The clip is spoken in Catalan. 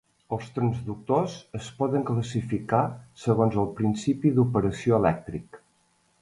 Els transductors es poden classificar segons el principi d'operació elèctric.